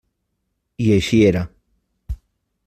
I així era.